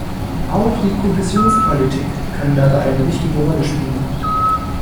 Auch die Kohäsionspolitik kann dabei eine wichtige Rolle spielen.